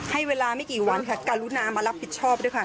ให้เวลาไม่กี่วันค่ะการุณามารับผิดชอบด้วยค่ะ